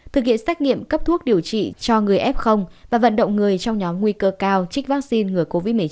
thực hiện xét nghiệm cấp thuốc điều trị cho người f và vận động người trong nhóm nguy cơ cao